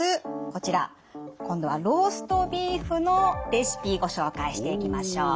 こちら今度はローストビーフのレシピご紹介していきましょう。